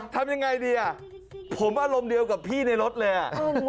ทำยังไงดีอ่ะผมอารมณ์เดียวกับพี่ในรถเลยอ่ะ